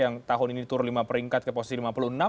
yang tahun ini turun lima peringkat ke posisi lima puluh enam